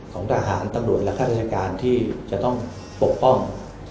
ของทหารตำรวจและข้าราชการที่จะต้องปกป้อง